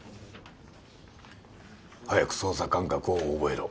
早く操作感覚を覚えろ。